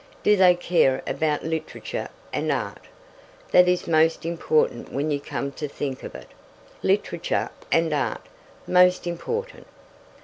Do they care about Literature and Art? That is most important when you come to think of it. Literature and Art. Most important.